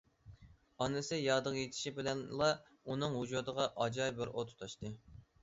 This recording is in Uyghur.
ئانىسى يادىغا يېتىشى بىلەنلا ئۇنىڭ ۋۇجۇدىغا ئاجايىپ بىر ئوت تۇتاشتى.